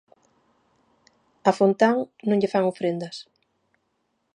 A Fontán non lle fan ofrendas.